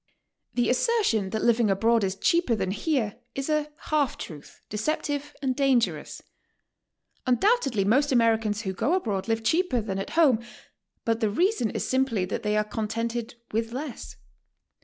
The assertion that living abroad is cheaper than here, is a half truth, deceptive and dangerous. Undoubtedly most Americans who go abroad live cheaper than at home, but the reason is simply that they are contented with less.